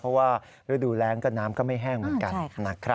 เพราะว่าฤดูแรงก็น้ำก็ไม่แห้งเหมือนกันนะครับ